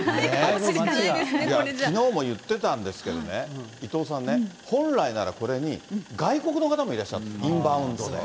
きのうも言ってたんですけれどもね、伊藤さんね、本来ならこれに、外国の方もいらっしゃるんです、インバウンドで。